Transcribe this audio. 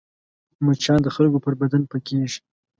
مچان د خلکو پر بدن پکېږي